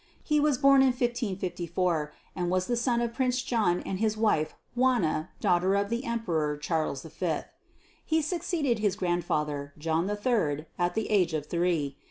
He was born in 1554, and was the son of Prince John and his wife Juana, daughter of the Emperor Charles V. He succeeded his grandfather, John III, at the age of three.